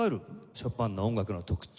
ショパンの音楽の特徴